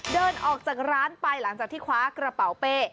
เดินออกจากร้านไปหลังจากที่คว้ากระเป๋าเป้